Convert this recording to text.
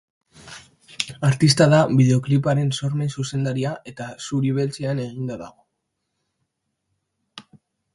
Artista da bideokliparen sormen zuzendaria eta zuri-beltzean eginda dago.